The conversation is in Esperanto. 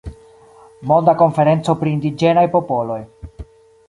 Monda Konferenco pri Indiĝenaj Popoloj.